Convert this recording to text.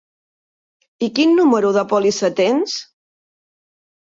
I quin número de pòlissa tens?